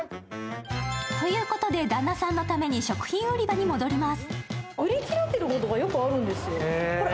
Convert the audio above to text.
ということで、旦那さんのために食品売り場に戻ります。